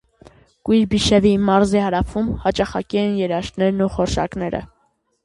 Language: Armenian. Կույբիշևի մարզի հարավում հաճախակի են երաշտներն ու խորշակները։